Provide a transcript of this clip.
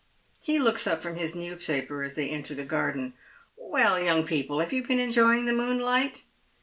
He looks up from his newspaper as they enter from the garden. " Well, young people, have you been enjoying the moonlight?"